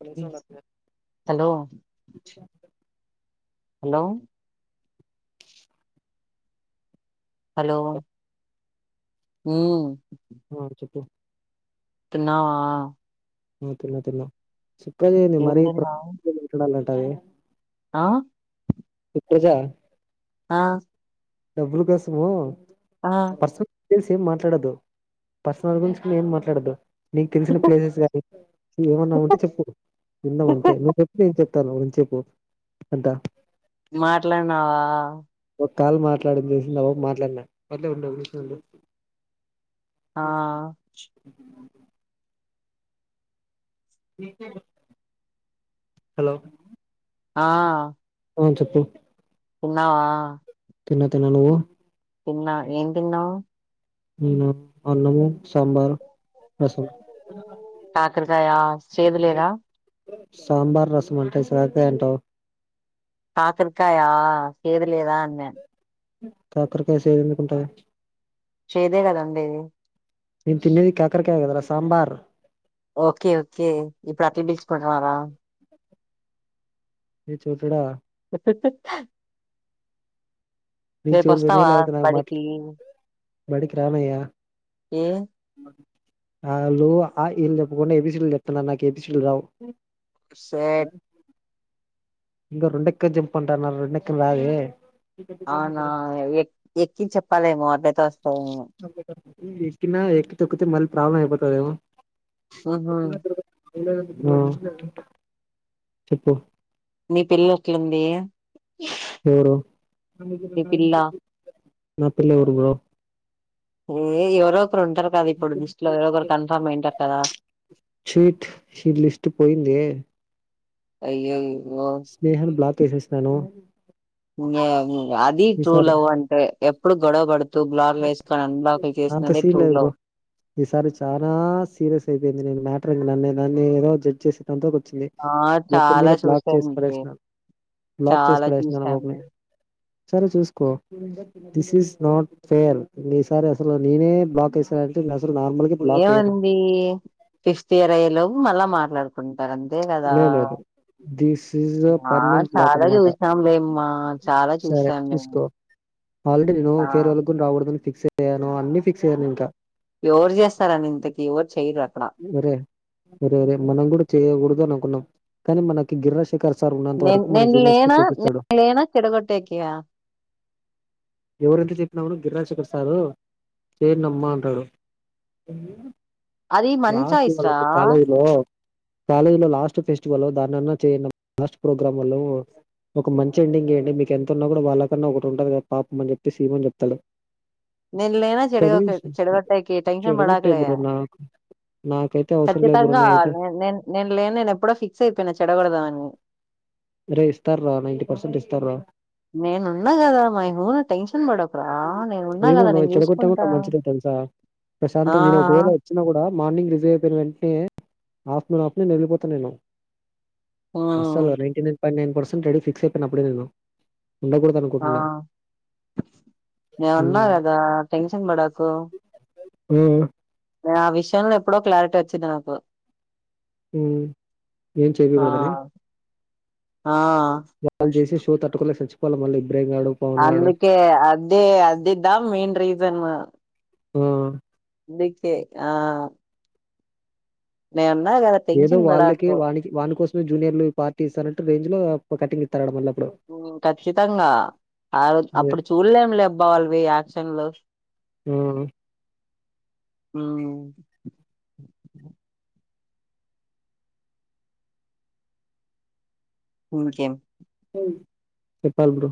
ఒక్క నిమిషం ఉండండి. హలో హలో హలో ఊ ఆ చెప్పు తిన్నావా ఆ తిన్న తిన్న ఇంకా ఏంది ఏం మరి ప్రా తిన్నావ్ మాట్లాడాలా టై ఆ పజా ఆ డబ్బుల కోసము ఆ వస్త తెలుసు ఏం మాట్లాడద్దు పర్సనల్ గురించికూడ ఏం మాట్లాడద్దు. నీక్ తెలిసిన ప్లేసెస్గా ఏమన్నా ఉంటే చెప్పు విందం అంతే నువ్వు చెప్పు నేను చెప్తాను. కొన్ చెప్పు అంత మాట్లాడినావా కాలు మాట్లాడింది చూసి మాట్లాడినా ఒక నిమిషం ఉండు ఆ హలో ఆ ఆ చెప్పు తిన్నావా తిన్న తిన్న నువ్వు తిన్నా ఏ తిన్నావు హ్మ్మ్ అన్నము సాంబార్ రసం కాకరాకాయ సేదులేద సాంబార్ రసం అంటే సొరకాయ అంటావు కాకరకాయ సేదులేదా అన్నన్ కాకరకాయ సేదెందుకు ఉంటది చేదే కదండి అది నేన్ తిన్నది కాకరకాయ కాదురా సాంబార్ రావా ఏ చోటోడ ప నీకు చెవులు పోయినయా రేపోస్తావా లేకపోతే నాకు మాట్ బడికి బడికి రానయ్య ఏ ఆళ్ళు అ ఆ ఇ ఈ లు చెప్పకుండా ఏ బీ సి డీ లు చెప్తున్నారు నాకు ఏ బీ సి డీ రావు షేట్ ఇంగ రోండెక్కం జెప్పంటున్నారు రోండెక్కం రాదే అవునా ఎ ఎక్కి చెప్పాలేమో అద్ద చేస్తా ఉన్నాం ఎక్కిన ఎక్కి తొక్కితే మళ్ళీ ప్రాబ్లం అయిపోతదేమో హ్మ్మ్ హ్మ్మ్ చెప్పు మీ పిల్ల ఎట్లుంది ఎవరు మీ పిల్ల నా పిల్ల ఎవరు బ్రో ఏ ఎవరో రు ఉంటారు కదా ఇప్పుడు లిస్ట్ లో ఎవరో ఒకరు కన్ఫర్మ్ అయింటారు కదా స్వీట్ స్వీట్ లిస్ట్ పోయింది అయ్యోయో స్నేహను బ్లాక్ [unintelligible] చేసేసినాను అది ఈసారి ట్రూలవ్ అంటే ఎప్పుడు గొడవ బడుత్ అంత సీన్ ట్రూ లేదు బ్రో లవ్ ఈసారి చాలా సీరియస్ అయిపోయింది నీకు మాటర్ [unintelligible] నన్నీ ఈరోజు జడ్జ్ చేసినంటే ఒక మని ఆ మొఖం చాలా మీద బ్లాక్ చేసి చూసానండి పడేసిన బ్లాక్ చేసి చాలా పడేసినాను చూసాము వాడ్ని సరే చూసుకో దిస్ ఈస్ నాట్ ఫేర్ ఈ సారి అసలు నేనే బ్లాక్ చేసానంటే ఇంగసలు ఏముంది ఫిఫ్త్ ఇయర్ అయ్యేలో మళ్ళా మ మాట్లాడుకుం లేదు లేదు థిస్ ఇస్ దా ఆ పర్మనెంట్ బ్లాక్ చాలా అనమాట చూసినాంలేమ్మా చాలా సరే చూసాం మేము చూసుకో ఆల్రెడీ నేను ఆ ఫేర్ వల్ రావడదని ఫిక్స్ నేను అన్ని ఫిక్స్ అయ్యను ఇంకా ఎవరు చేస్తారని ఇంతకీ ఎవరు చేయ్యరు అక్కడ ఒరే ఒరే ఒరే మనం కూడా చేయకూడదు అనుకున్నాం కానీ మనకి గిర్ర నేను లేనా నేను లేనా చెడగొట్టేకయా ఎవరెంత చెప్పినామనో గగిరశేఖర్ సార్ చేయండమ అంటాడు అది మంచి లాస్ట్ చాయిస్ రా వాళ్ళకి కాలేజ లో కాలేజ్ లో లాస్ట్ ఫెస్టివల్ దానిన్నా చేయ లాస్ట్ ప్రోగ్రామ్ ఒక మంచి ఎండింగ్ ఇయాండీ మీకు ఎంతన్నా కూడా వాళ్ళ కన్నా ఒకటి ఉంటుంది కదా అప్పమని చెప్పేసి ఈ రోజు చెప్తాలే నేను లేనా చెడ చెడగట్టాకి టెన్షన్ చెడగొట్టే పడాకలే బ్రో నాకు నాకైతే అవసరం లేదు బ్రో ఖచ్చితంగా నేనైతే నేను లే నేను ఎప్పుడో ఫిక్స్ అయిపోయినా చెడ కొడదామని [unintelligible] ఇస్తార రా నైంటటీ పర్సెంట్ ఇస్తార నేనున్నా కదా మా హూన టెన్షన్ పడ ఒకరా నేను ఉన్నా ఏమో కదా నువ్వు నేను చెడగొట్టావో చూసుకుంటా నా మంచిదే తెలుసా ఆ ప్రశాంతంగా నేను ఒకవేళ వచ్చినా కూడా మార్నింగ్ రిజర్వ్ అంటే ఆఫ్టర్నూన్ ఆఫ్టర్నూన్ వెళ్ళిపోతా నేను ఉమ్ అసలు నైన్టీ నైన్ ఇ నైన్ పర్సెట్ రడి ఫిక్స్ అయిపోయిన అప్పుడే నేను ఉండకూడదు ఆ అనుకుంటున్నా నేను ఉన్నా ఉమ్ కదా టెన్షన్ పడాకు మ్మ్ ఆ విషయంలో ఎప్పుడో క్లారిటీ వచ్చింది నాకు ఏం ఆ చేయకూడదనే ఆ వాల్ చేసే షో తట్టుకోలే [unintelligible] అందుకే అదే అదిద్దా మెయిన్ రీజన్ మ్మ్ ఎందుకే ఆ నే ఏదో వాళ్ళకి వాలకి వాని కోసమే జూనియర్లు పార్టీ ఇస్తానంటే రేంజ్ లో కటింగ్ ఇతరు ఆడ మల్ల ఖచ్చితంగా ఆ అదే అప్పుడు చూడలేం లేబ్బా వాళ్ళవి యాక్షన్లు ఆ! మ్మ్ ఇకేం చెపాల్ బ్రో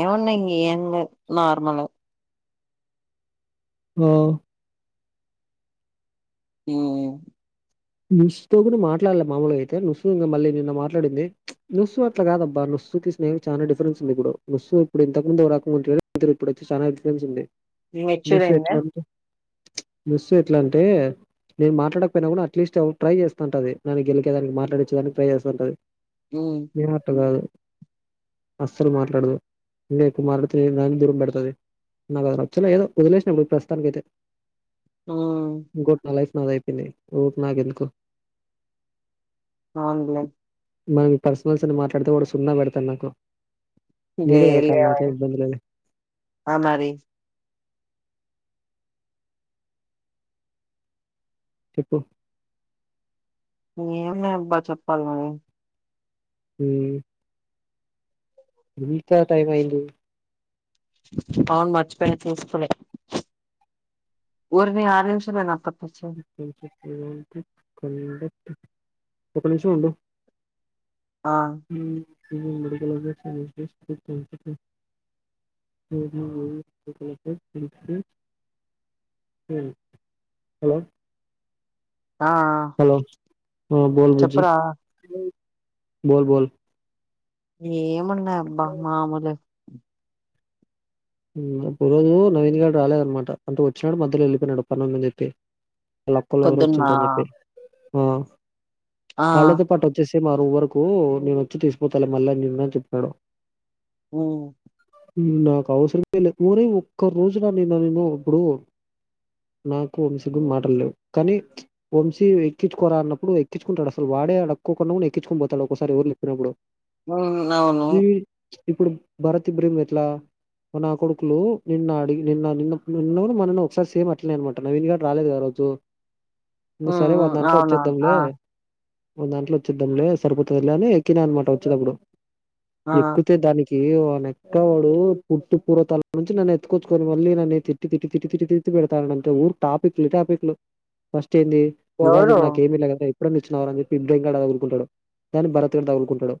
ఏమున్నాయి ఇగా ఏం లెవ్ నార్మల్ ఆ ఉం నుష్షు తో కూడా మాట్లాడలే మామూలు అయితే నుష్ ఇ మళ్ళీ నిన్న మాట్లాడింది నస్సు అట్ల కాదబ్బా నుష్ కి స్నేహా చాలా డిఫరెన్స్ ఉంది ఇప్పుడు నుష్ ఇప్పుడు ఇంతముందు రాకంగా ఇప్పుడు వచ్చి చాలా డిఫరెన్స్ ఉండే మెచ్యుర్ అయింద నుష్ ఎట్లా అంటే నేను మాట్లాడకపోయినా కూడా అట్లీస్ట్ ట్రై చేస్తుంటది న గెలికే దానికి మాట్లాడిచ్చే దానికి ట్ర చేస్తస్తుంటది మ్మ్ వీళ్ళు అట్ట కాదు అస్సలు మాట్లాడదు ఇంకా ఎక్కువ మాట్లాడుతే దానికి దూరం పెడుతది నాకు నచ్చలేదు వదిలేసిన బ్రో ప్రస్తుతానికైతే ఇప్పుడు ప్రస్తుతానికి అయితే ఆ దా పినై ఓపు నాగెందుకు ఆన్లైన్ మన పర్సనల్స్ అని మాట్లాడితే కూడా సున్నా పెడతడు నాకు లే నీదే లే ఎతకాలి నాకేం ఇబ్బంది లేదు అ మరి చెప్పు ఏమో అబ్బా చెప్పాలి ఉం ఇంత టైమయింది అవును మర్చిపోయినా చేసుకోలే ఊరిని ఆరు నిమిషమప్ప ఒకటి నిముషం ఉండు ఆ ఉం [inaudible] హలో ఆ ఆ ఏం లేదు బుజి బో బోల్ ఏ మున్నా అబ్బా మాముూలు రోజు నవీన్ గాడు రాలేదనమాట అంటే వచ్చినాడు మధ్యలో వెళ్ళిపోయినాడు పనుందని చెప్పి లక్కులో పొద్దున్న ఎవరోవచ్చుటరాని చెప్పి ఆ ఆ వాళ్ళతో పాటు వచ్చేసి మా ఆరు గురకు నేను వచ్చి తీసిపోతాలే మళ్ళా నిన్న అని చెప్పారు ఉం నా వాడసలు ఊరే ఒక్క రోజున నిన్న నేను ఇప్పుడు నాకు వంశీ కి మాట్లాడలేవు కానీ వంశీ ఎక్కించుకోరా అన్నప్పుడు ఎక్కించుకుంటాడు అసలు వాడే అడుక్కోకుండా కూడా ఎక్కించుకొని పోతాడు ఒకసారి ఎవరుని ఎప్పినగూడ ఉం అవును ఇప్పుడు భారతిబృం ఎట్లా నా కొడుకులు నిన్న అడిగి నిన్న నిన్న నిన్న కూడా మొన్నన వచ్చేసారు అట్లే అనుకుంట నవిన్ గాడు రాలేదు కదా ఆ రోజు ఇంకా ఉమ్ సరే ఉమ్ వందంటలో అవునవును ఆ వచ్చేద్దాంలే మీదాంట్లో వచ్చిద్దంలే సరిపోతుంది లే అని ఎక్కినానమాట వచ్చినప్పుడు ఆ ఎక్కుతే దాని ఏ వానెక్కడు పుట్ పూర్వతాల నుంచి నన్ను ఎత్కొచ్చుకొని మళ్ళీ నన్ను తిట్టిిటి తిట్టి తిట్టి తిత్ పెడతాంతే ఊరు టాపిక్లు టాపిక్లు ఫస్ట్ చ్చేంది ఉగాదికి ఎవరు నాకేమి లేదా చెప్ ఇప్పుడ ఇచ్చినవార అని చెప్పి [unintelligible] డ్రైమ్ ఊరుకుంటాడు దాని భరత్ గాడు తగులుకుంటాడు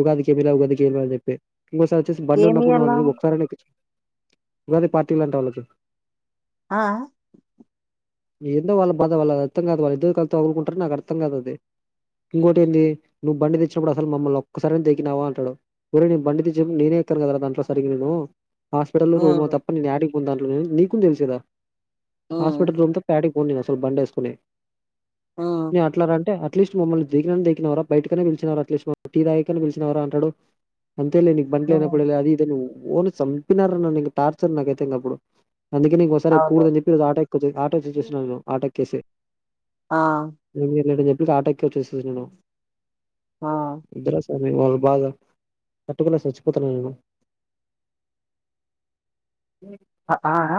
ఉగాదికి ఏమి లే ఏమి పంపించావ్ అని చెప్పి ఇంకోసారి ఒచ్చేసి బండ్ల ఉన్నప్పుడు నువ్ ఏమియ్యాల అన్ లేదా సరే తెప్పిచుకో ఉగాది పార్టీయాలంట ఆళ్లకు ఆ ఏందో వాళ్ళ బాధ వాళ్ళ అర్థ కాదు వాల్ ఇద్దరు కలిత ఊరుకుంటార నాకు అర్థ కాదుది ఇంకోటి ఏంది నువ్వు బండి తెచ్చినప్పుడు అసలు మమ్మల్ని ఒక్కసారి దేకినావా అంటాడు ఒరే నే బండి తెచ్చినడు నేనే ఎత్తను కదా రా ఫంక్షన్స్ అప్ ఏమో హాస్పిటల్లు రూమ్ ఉమ్ తప్ప నేనడికి నేన్ దాంట్లో ఒంది నీకు తెలుసేదా ఉమ్ హాస్పిటల్ లో అంత పాడి పోదుమా ఓసారి బండ్ వేసుకొని ఉమ్ నేను అట్లానంటే అట్ అట్లీస్ట్ మమ్మల్ని ద దక్కినారా బయటకనే పిచిన అ టీ రా పలిచినార అంటాడు అంతేలే నీ ఉమ్ బండ్లేనపుడు ఇగ అదీదని ఓ ఓను చంపినార నం టార్చర్ నాకయితే అప్పుడు అందుకేం ఒకసారి అవును కూడదని చెప్పి ఇగ ఆటో కొద్దిగా ఆటో [unintelligible] ఆట ఎక్కేసి ఆ [unintelligible] మీర్ ఆటో ఎక్క వచ్చేసయ్ అన్న ఆ ఒద్దు రా సామి వాళ బాధ పట్టుకున్న చచ్చిపోత నేను ఊ అ ఆ అ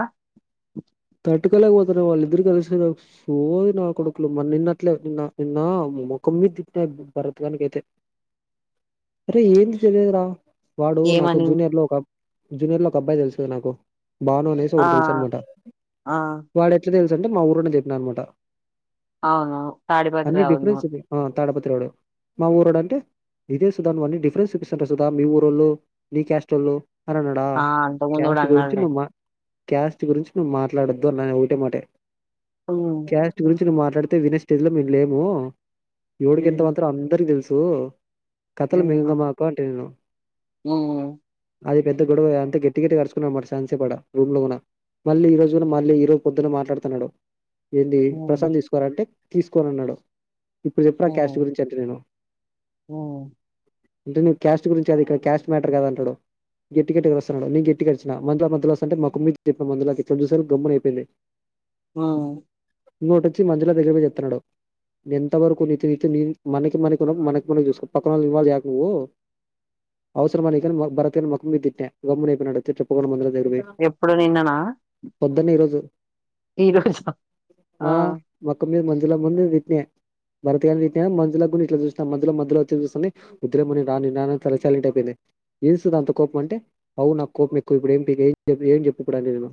తట్టుకోలేకపోతున్నా వాళ్ళిద్దరు కలిస సోది నా కొడుకులు మ నిన్నట్లే నిన్న నిన్న ముఖం మీద తిప్పినాయి భరత్గానినకి అయితే అరే ఏంది తెలియదురా వాడు నాకు ఏమని జూనియర్ లో ఒక జూనియర్ లో ఒక అబ్బాయి తెలుసు కదా నాకు బాను అనేసి ఆ ఒకరు తెలుసు అనమాట ఆ తెలుస అంటే మా ఊరని చెప్పిన అనమాట అవును తాడి పాత్ర ఆవును డు మా ఊరోడు అంటే ఇదే సుధ నువ్ అన్ని డిఫరెన్స్ చూపిస్తుంటారు సుధ మీ ఊరోళ్ళు మీ క్యాస్ట్ ఓళ్ళు అరనాడా ఆ అంతకు ముందు కూడా క్యాస్ట్ గురించి అన్నాడులే నుమ క్యాస్ట్ గురించి నువ్ మాట్ ట్లాడోద్దు అన్నా అది ఒకటే మాటే ఉహ్ క్యాస్ట్ గురించి మాట్లాడితే వినే స్స్టేజ్ లో మేం లేము ఏవడుకి ఎంత ఉమ్ మాత్ర అందరికి తెల్సు ఉ కథలు మింగమాకూ హూ అది పెద్ద గొడవ అంత గట్టి గట్టిగ అరుసుకున్నాంమరి చాన్ సేపు అడ రూమ్ల గిన మళ్ళీ ఈ రోజు మళ్ళీ ఈ రోజు పొద్దున మాట్లాడుతున్నాడు ఏంటి ఉమ్ ప్రశాంత తీసుకోవారంటే తీసుకోనన్నాడు ఇప్పుడు చెప్పురా ఆ క్యాష్ట్ ఉమ్ గురించి అంటునాడు ఉమ్ అంటే నువ్ కాస్ట్ గురించి అడుగుతవ్ క్యాస్ట్ మ్యాటర్ రాదు అంటడు కద గట్టి గట్టిగ అరుస్తుండు నేను గట్టిగ అరిచిన మంచిగా మధ్యల వస్తుతుంటే మాకుమ్ చెప్పిన మందు ముసల్ది గమ్మున ఉకుందీ ఆ ఇంకోటిచ్చి మధ్యలో దగ్గర పోయి చెప్పాడు నేను ఎంత వరకు నీ మనకి మన మనకి మనం చూస్కో పక్కన నీళ్ళని ఇన్వాల్వ్ చేయకు నువ్ అవసరమ నీకా భారత్ గాని మొఖం మీద్ తిట్టా గమ్మున అయిపోయినాడు తిప్పకుండా మలో దగ్గర పోయి ఎప్పుడు నిన్ననా పొద్దున్న ఈ రోజు ఈరోజా ఆ మల్లా ముందు విట్ భరత్ గాన్ని తిట్టిన మజూలకూడ ఇట్ల చూస్తా మంజుల మధ్యలో వచ్చి చూస్తుంది ఒద్దూర అమ్మ నేన్ రాను రాను అని సైలెంట్ అయిపోయింది ఏంటి సుధ అంత కోపం అంటే అవును నాక్ కోపం ఎక్కువే ఇప్పుడు ఏంటి చెప్పు ఇప్పుడు ఏంటి చెప్పు ఇప్పుడు అన్నా నేను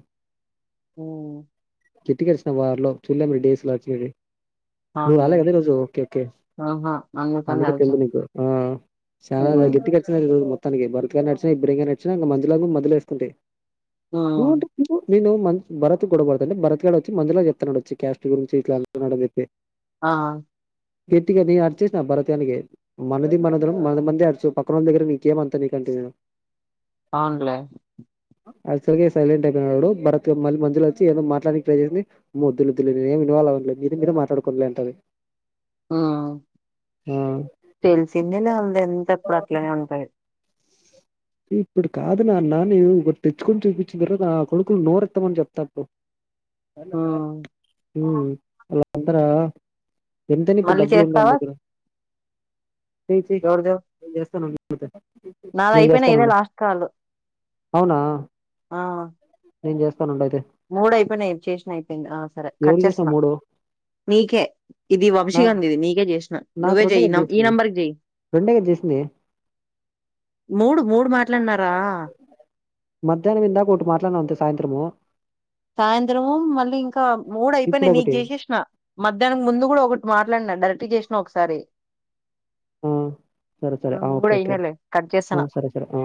హ్మ్ కిట్ కరిసిన వారిలో చుల్ల మీరి డేస్ లో వచ్చేది నువ్ అవునులే. రాలే ఈరోజు ఒకే ఒకే ఆహా! అందుకని అందుకే తెల్దు అడిచాను. నీకు ఆ చాలా హ్మ్. గట్టి ఆర్చిన రోజు మొత్త తనకి బర్గా నచ్చినా ఇబ్బంగా నచ్చచా ఇం మ్యలాగా మధ్య వేసుకుంటే ఆ నువ్వు అవును అంటే నువ్వు నేను మ భరత్ గొడవ పడుతుంటే భరత్ గాడు వచ్చి మధ్యలో చెప్తున్నాడు వచ్చి క్యాస్ట్ గురించి ఇట్లా చెప్పిండు అని చెప్తే ఆ గట్టిగా నేను అర్చేసిన నా భారత్ గానిమీద మనది మనద మన మంది అరుచూ పక్కనోళ్ళ దగ్గర నీకేమ అంత నీక అంటే నేను అవున్లే అసరిగా సైలెంట్ అయి డు వాడు భరత్ మళ్ళీ మధ్యలో వచ్చి ఏదో మాట్లాడానికి ట్రై చేసి అమ్మో వొద్దులేమి [unintelligible] మీరు మీరు మాట్లాడుకోండియంట ఉ తెలిసిందేలే ఉంది ఎంతప్పుడు అట్లనే ఉంటది ఇప్పుడు కాదు నాన్న నువ్వు ఒకటి తెచ్చుకొని చూపించిన తర్వాత నా కొడుకులునోరెత్తామని చెప్తా అప్పుడు హ్మ్. హ్మ్ అందరా ఎంతని ఇప్పుడు మళ్ళీ డబ్బులు ఉందా వాని చేస్తావా? దగ్గర చేయ్ చేయ్ నేం చేస్తానుండు ఉకే నాది అయిపోనే ఇదే లాస్ట్ కాల్ ఆ నేం చేస్ మూడు అయిపోయినాయ్ చేసినా అయిపోయింది. ఆ సరే కట్ ఎవరికి చేసినావు చేస్సున్నా, మూడు నీకే ఇది నాకు వంశీగాంది ఇది నీకే జేసినా నాకు నువ్వే రెండే జేయి కదా నమ్ ఈ చేసింది నెంబర్ కి జేయ్. రెండే కదా చేసింది మూడు మూడు మాట్లాడిన్నారా మధ్యాహ్నం ఇందాకొకటి మాట్లాడినం అంతే సాయంత్రము సాయంత్రము మళ్ళీ ఇంకా మూడు ఇప్పుడు అయిపోయినాయ్. నీకు ఒకటి జేసేసిన మధ్యాహ్నానికి ముందు కూడా ఒకటి మాట్ అట్లేం లా డైరెక్ట్ చేసినా ఒకసారి మ్మ్ సరే సరే ఆ నువ్వు ఓకే కూడా ఒకే ఈయనలే కట్ చేస్తాన హ సరే సరే ఆ